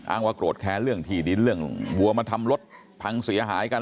ว่าโกรธแค้นเรื่องที่ดินเรื่องวัวมาทำรถพังเสียหายกัน